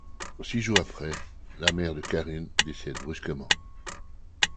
Six jours après, la mère de Carin décède brusquement.